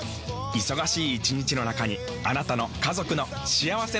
忙しい一日の中にあなたの家族の幸せな時間をつくります。